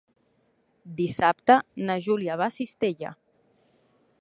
Dissabte na Júlia va a Cistella.